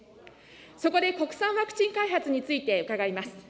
そこで国産ワクチン開発について伺います。